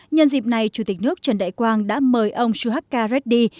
nhân dịp này chủ tịch nước trần đại quang đã mời ông suhaka reddy